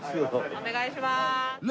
お願いします！